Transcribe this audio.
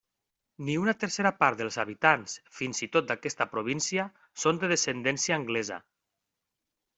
Ni una tercera part dels habitants, fins i tot d'aquesta província, són de descendència anglesa.